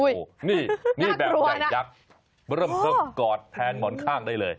โอ้โหนี่แบบใหญ่ยักษ์เริ่มเพิ่มกอดแทนหมอนข้างได้เลย